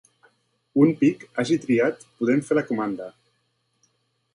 Un pic hagi triat podem fer la comanda.